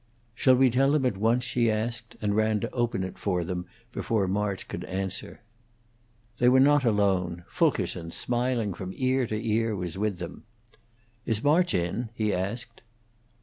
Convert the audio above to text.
"Shall we tell them at once?" she asked, and ran to open for them before March could answer. They were not alone. Fulkerson, smiling from ear to ear, was with them. "Is March in?" he asked.